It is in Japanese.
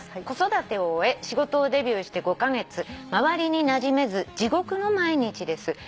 「子育てを終え仕事をデビューして５カ月」「周りになじめず地獄の毎日です」